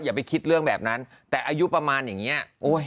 อย่าไปคิดเรื่องแบบนั้นแต่อายุประมาณอย่างนี้